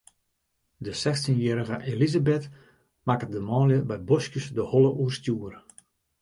De sechstjinjierrige Elisabeth makket de manlju by boskjes de holle oerstjoer.